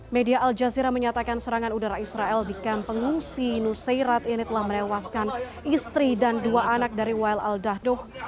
media al jazeera menyatakan serangan udara israel di kamp pengungsi nusirat ini telah menewaskan istri dan dua anak dari wael al dahdoh